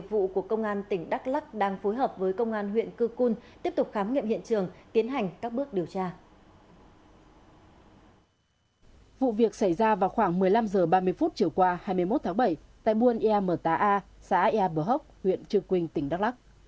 một mươi phút chiều qua hai mươi một tháng bảy tại buôn ea mở tà a xã ea bờ hốc huyện trường quynh tỉnh đắk lắc